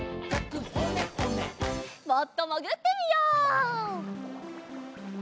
もっともぐってみよう。